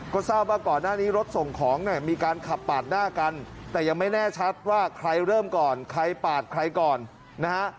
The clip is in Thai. ก็ทราบว่าก่อนหน้านี้รถส่งของเนี่ยมีการขับปาดหน้ากันแต่ยังไม่แน่ชัดว่าใครเริ่มก่อนใครปาดใครก่อนนะฮะ